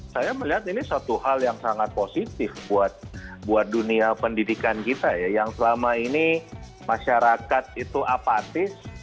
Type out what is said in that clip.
saya melihat ini suatu hal yang sangat positif buat dunia pendidikan kita ya yang selama ini masyarakat itu apatis